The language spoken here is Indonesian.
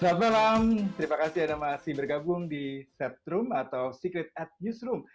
selamat malam terima kasih ada masih bergabung di set room atau secret ad newsroom